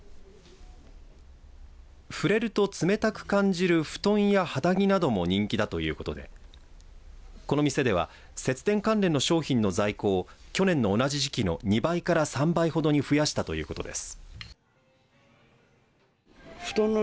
触れると冷たく感じる布団や肌着なども人気だということでこの店では節電関連の商品の在庫を去年の同じ時期の２倍から３倍ほどに増やしたということです。